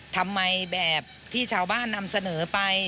ทำไมแบบที่ชาวบ้านนำเสนอไป